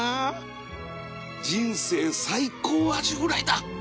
人生最高アジフライだ！